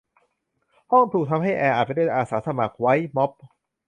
ห้องถูกทำให้แออัดไปด้วยอาสาสมัคร ไวด์ม๊อบ